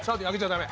ダメ！